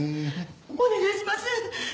お願いします！